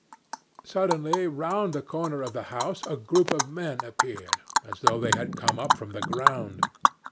"Suddenly round the corner of the house a group of men appeared, as though they had come up from the ground.